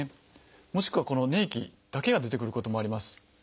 もしくはこの粘液だけが出てくることもあります。